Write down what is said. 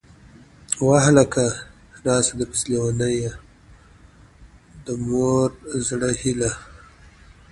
واه هلکه!!! راسه درپسې لېونۍ يه ، د مور د زړه هيلهٔ